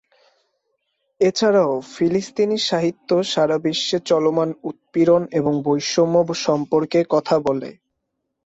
এ ছাড়াও, ফিলিস্তিনি সাহিত্য সারা বিশ্বে চলমান উৎপীড়ন এবং বৈষম্য সম্পর্কে কথা বলে।